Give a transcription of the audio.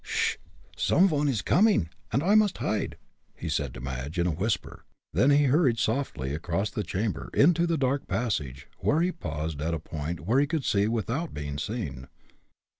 "'Sh! some one is coming, and I must hide!" he said to Madge, in a whisper; then he hurried softly across the chamber, into the dark passage, where he paused at a point where he could see without being seen.